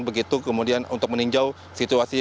begitu kemudian untuk meninjau situasi